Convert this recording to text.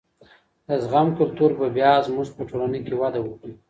د زغم کلتور به بیا زمونږ په ټولنه کي وده وکړي.